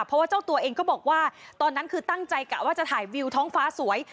เพราะว่าเจ้าตัวเองก็บอกว่าตอนนั้นคือตั้งใจกะว่าจะถ่ายวิวท้องฟ้าสวย